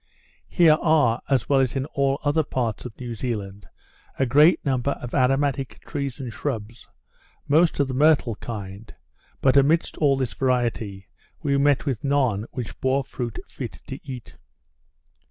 Here are, as well as in all other parts of New Zealand, a great number of aromatic trees and shrubs, most of the myrtle kind; but amidst all this variety, we met with none which bore fruit fit to eat.